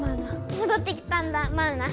もどってきたんだマウナ。